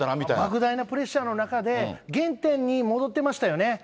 ばく大なプレッシャーの中で、原点に戻ってましたよね。